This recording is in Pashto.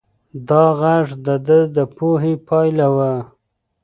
دا غږ د ده د پوهې پایله وه.